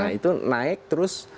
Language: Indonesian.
nah itu naik terus